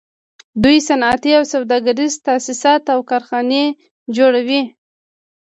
دوی صنعتي او سوداګریز تاسیسات او کارخانې جوړوي